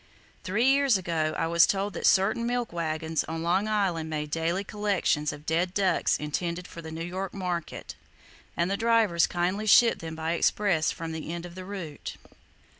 Three years ago, I was told that certain milk wagons on Long Island made daily collections of dead ducks intended for the New York market, and the drivers kindly shipped them by express from the end of the route.